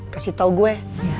kasih tau gue